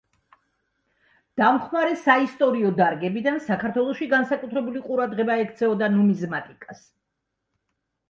დამხმარე საისტორიო დარგებიდან საქართველოში განსაკუთრებული ყურადღება ექცეოდა ნუმიზმატიკას.